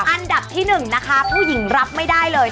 อันดับที่๑นะคะผู้หญิงรับไม่ได้เลย